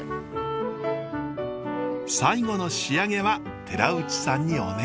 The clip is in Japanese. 最後の仕上げは寺内さんにお願い。